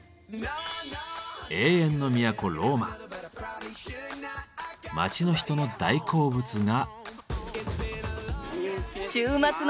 永遠の都街の人の大好物が。